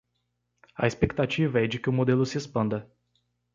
A expectativa é de que o modelo se expanda